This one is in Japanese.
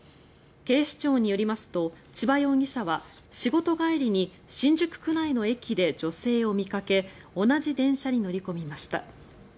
警視庁によりますと千葉容疑者は仕事帰りに新宿区内の駅で女性を見かけ同じ電車に乗り込みました。